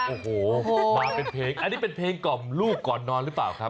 โอ้โหมาเป็นเพลงอันนี้เป็นเพลงกล่อมลูกก่อนนอนหรือเปล่าครับ